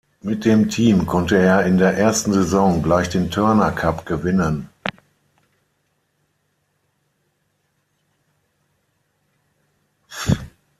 Mit dem Team konnte er in der ersten Saison gleich den Turner Cup gewinnen.